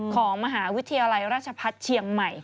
ของมหาวิทยาลัยราชพัฒน์เชียงใหม่